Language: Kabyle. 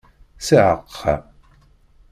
Ssiɛqa!